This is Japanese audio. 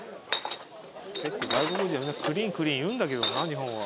結構外国人はみんなクリーン言うんだけどな日本は。